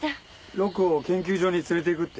ロクを研究所に連れていくって？